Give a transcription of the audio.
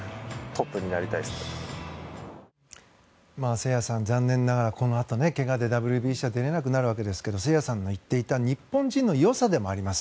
誠也さん、残念ながらこのあと、けがでＷＢＣは出れなくなるわけですが誠也さんの言っていた日本人の良さでもあります